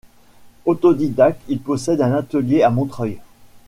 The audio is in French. Autodidacte, il possède un atelier à Montreuil.